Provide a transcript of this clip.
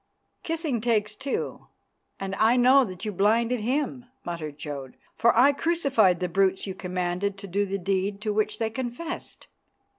"Kissing takes two, and I know that you blinded him," muttered Jodd, "for I crucified the brutes you commanded to do the deed to which they confessed."